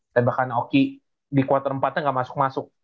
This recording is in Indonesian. tembakan oki di quarter empat nya gak masuk masuk